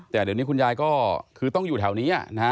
แต่เดี๋ยวนี้คุณยายก็คือต้องอยู่แถวนี้นะฮะ